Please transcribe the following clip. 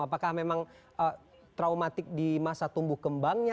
apakah memang traumatik di masa tumbuh kembangnya